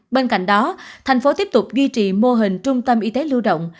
bên cạnh đó tp hcm tiếp tục duy trì mô hình trung tâm y tế lưu động